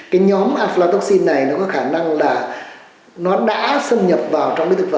cái nhóm aflatoxin này nó có khả năng là nó đã xâm nhập vào trong cái thực phẩm